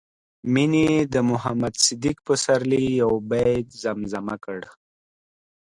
مينې د محمد صديق پسرلي يو بيت زمزمه کړ